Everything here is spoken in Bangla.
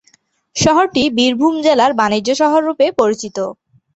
শহরটি বীরভূম জেলার বাণিজ্য শহর রূপে পরিচিত।